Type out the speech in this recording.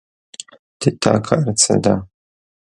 د تا کار څه ده